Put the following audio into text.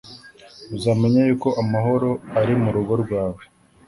Uzamenya yuko amahoro ari mu rugo rwawe